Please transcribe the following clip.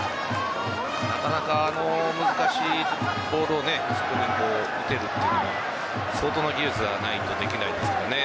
なかなか、難しいボールをあそこに打てるというのは相当な技術がないとできないですからね。